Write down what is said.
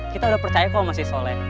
kita udah percaya sama si soleh